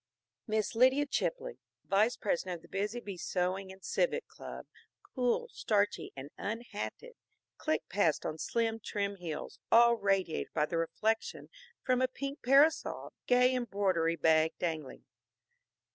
Miss Lydia Chipley, vice president of the Busy Bee Sewing and Civic Club, cool, starchy and unhatted, clicked past on slim, trim heels, all radiated by the reflection from a pink parasol, gay embroidery bag dangling.